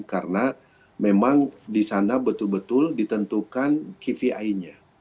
karena memang di sana betul betul ditentukan kvi nya